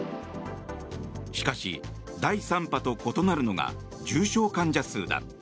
しかし、第３波と異なるのが重症患者数だ。